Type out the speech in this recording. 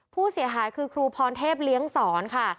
ผู้เสียหายคือครูพรเทพเลี้ยงสอนค่ะ